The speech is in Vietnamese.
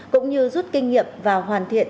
cũng như rút kinh nghiệm và hoàn thiện